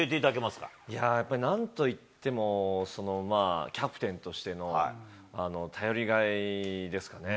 やっぱり、なんといってもキャプテンとしての頼りがいですかね。